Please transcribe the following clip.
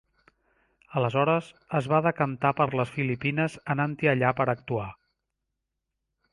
Aleshores, es va decantar per les Filipines anant-hi allà per a actuar.